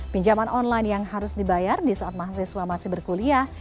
pinjaman online yang harus dibayar di saat mahasiswa masih berkuliah